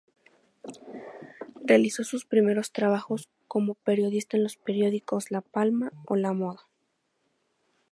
Realizó sus primeros trabajos como periodista en los periódicos "La Palma" o "La Moda".